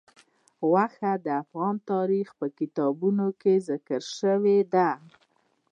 غوښې د افغان تاریخ په کتابونو کې ذکر شوي دي.